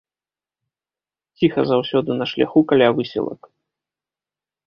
Ціха заўсёды на шляху каля выселак.